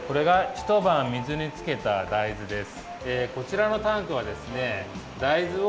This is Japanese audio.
ひとばん水につけた大豆です。